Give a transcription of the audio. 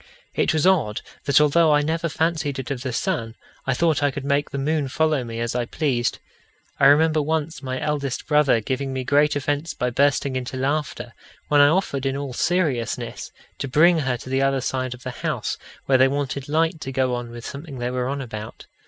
It was odd that, although I never fancied it of the sun, I thought I could make the moon follow me as I pleased. I remember once my eldest brother giving me great offence by bursting into laughter, when I offered, in all seriousness, to bring her to the other side of the house where they wanted light to go on with something they were about.